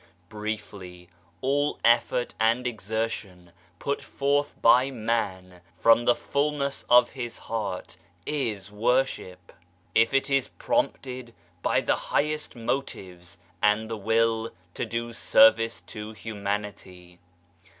Briefly, all effort and exertion put forth by man from the fullness of his heart is worship, if it is prompted by the highest motives and the will to do service to humanity.